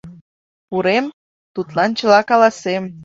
«Пурем, тудлан чыла каласем.